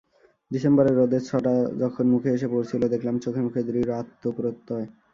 ডিসেম্বরের রোদের ছটা যখন মুখে এসে পড়ছিল, দেখলাম চোখে-মুখে দৃঢ় আত্মপ্রত্যয়।